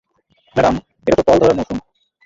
Madam, এটা তো ফল ধরার মৌসুম।